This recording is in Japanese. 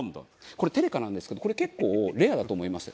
これテレカなんですけどこれ結構レアだと思います。